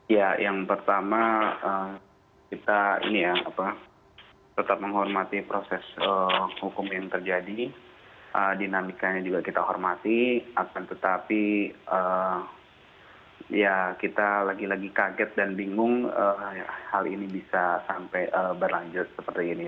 ya yang pertama kita ini ya tetap menghormati proses hukum yang terjadi dinamikanya juga kita hormati akan tetapi ya kita lagi lagi kaget dan bingung hal ini bisa sampai berlanjut seperti ini